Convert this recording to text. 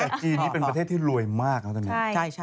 แต่จีนนี่เป็นประเทศที่รวยมากนะตอนนี้